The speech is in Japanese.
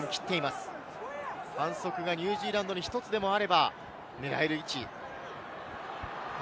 反則がニュージーランドに１つでもあれば狙える位置。